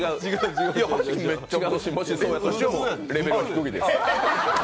違いますし、もしそうやとしても、レベルは低いです。